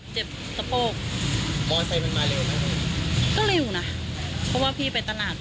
เด็กมาชีวิตผม